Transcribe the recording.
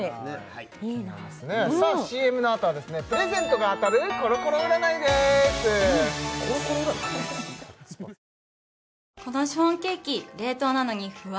いいなさあＣＭのあとはですねプレゼントが当たるコロコロ占いですなんか綺麗になった？